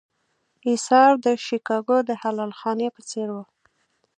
اېثار د شیکاګو د حلال خانې په څېر و.